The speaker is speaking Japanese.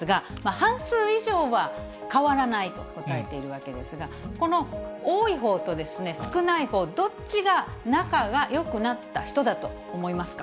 半数以上は変わらないと答えているわけですが、この多いほうと、少ないほう、どっちが仲がよくなった人だと思いますか。